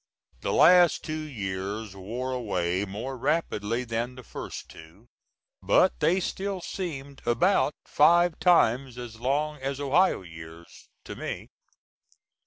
The last two years wore away more rapidly than the first two, but they still seemed about five times as long as Ohio years, to me.